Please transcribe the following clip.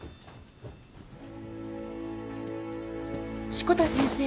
志子田先生。